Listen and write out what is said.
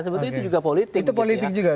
sebetulnya itu juga politik itu politik juga